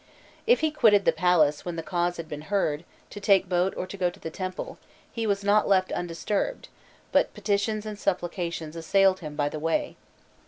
If he quitted the palace when the cause had been heard, to take boat or to go to the temple, he was not left undisturbed, but petitions and supplications assailed him by the way.